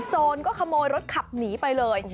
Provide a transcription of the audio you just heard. โจรก็ขโมยรถขับหนีไปเลย